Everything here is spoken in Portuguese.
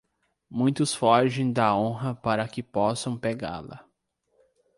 Muitos fogem da honra para que possam pegá-la.